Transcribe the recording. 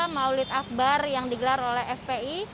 maulid akbar yang digelar oleh fpi